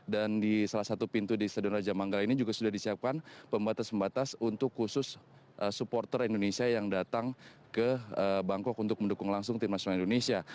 dan di salah satu pintu di stadion raja manggala ini juga sudah disiapkan pembatas pembatas untuk khusus supporter indonesia yang datang ke bangkok untuk mendukung langsung tim nasional indonesia